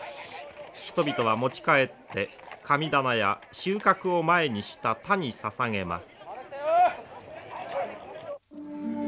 人々は持ち帰って神棚や収穫を前にした田にささげます。